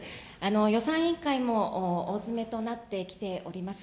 予算委員会も大詰めとなってきております。